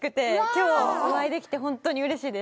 今日お会いできて本当にうれしいです。